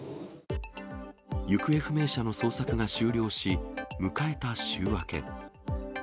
行方不明者の捜索が終了し、迎えた週明け。